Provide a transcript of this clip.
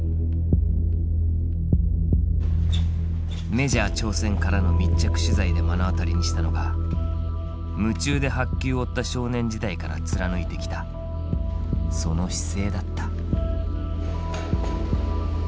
メジャー挑戦からの密着取材で目の当たりにしたのが夢中で白球を追った少年時代から貫いてきたその姿勢だった。